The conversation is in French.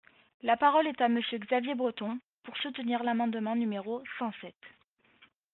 La parole est à Monsieur Xavier Breton, pour soutenir l’amendement numéro cent sept.